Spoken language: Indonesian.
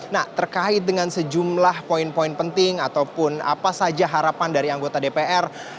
nah terkait dengan sejumlah poin poin penting ataupun apa saja harapan dari anggota dpr